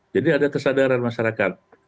jadi ada kesadaran masyarakat